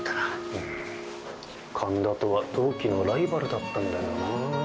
うん神田とは同期のライバルだったんだよな。